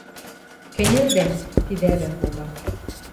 Кӹньӹлдӓ!.. – тидӹ ӓвӓм попа.